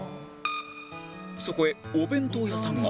そこへお弁当屋さんが